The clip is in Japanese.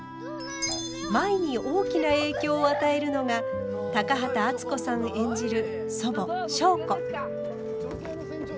舞に大きな影響を与えるのが高畑淳子さん演じる祖母祥子。